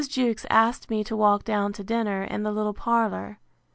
Jewkes asked me to walk down to dinner in the little parlour.